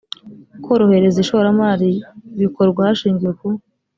korohereza ishoramari bikorwa hashingiwe ku